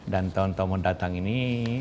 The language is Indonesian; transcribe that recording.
tahun tahun mendatang ini